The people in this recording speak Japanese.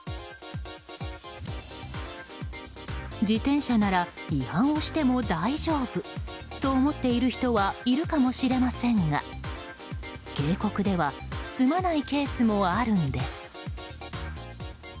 自転車なら違反をしても大丈夫と思っている人はいるかもしれませんが警告では済まないケースもあるんです。